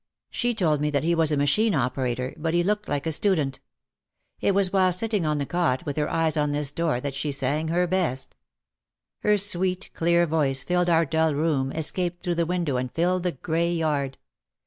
She told me that he was a machine operator "but he looked like a student." It was while sitting on the cot, with her eyes on this door, that she sang her best. Her sweet, clear voice filled our dull room, escaped through the window and filled the grey yard.